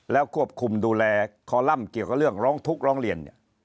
แล้วควบคุมดูแลคอลัมป์เกี่ยวกับเรื่องร้องทุกข์ร้องเรียนเนี่ย